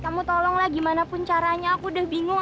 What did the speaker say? kamu tolonglah gimana pun caranya aku udah bingung